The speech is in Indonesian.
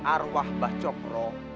arwah mbah cokro